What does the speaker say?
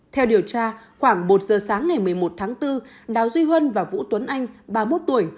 theo điều tra khoảng một giờ sáng ngày một mươi một tháng bốn đào duy huân và vũ tuấn anh ba mươi một tuổi